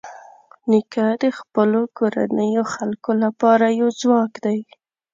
نیکه د خپلو کورنیو خلکو لپاره یو ځواک دی.